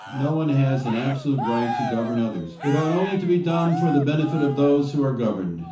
No one has an absolute right to govern others. It ought only to be done for the benefit of those who are governed.